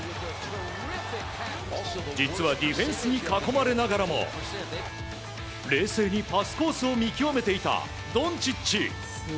実は、ディフェンスに囲まれながらも冷静にパスコースを見極めていたドンチッチ。